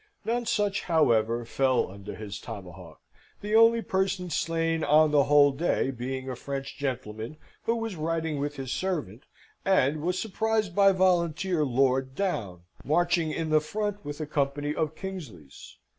None such, however, fell under his tomahawk; the only person slain on the whole day being a French gentleman, who was riding with his servant, and was surprised by volunteer Lord Downe, marching in the front with a company of Kingsley's.